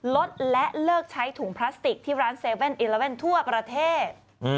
ลดและเลิกใช้ถุงพลาสติกที่ร้าน๗๑๑ทั่วประเทศ